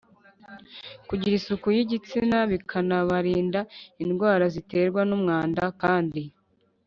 kugira isuku y‘igitsina, bikanabarinda indwara ziterwa n‘umwanda kandi